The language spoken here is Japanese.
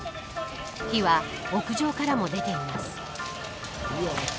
火は屋上からも出ています。